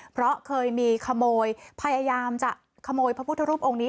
เพราะเคยมีขโมยพยายามจะขโมยพระพุทธรูปองค์นี้